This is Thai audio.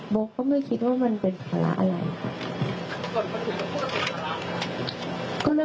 ก็ไม่คิดว่ามันเป็นภาระอะไรค่ะ